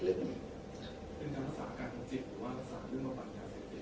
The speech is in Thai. เรื่องการรักษาอาการทางจิตหรือว่ารักษาเรื่องบำบัดยาเสพติด